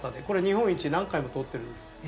これ日本一何回も取ってるんです。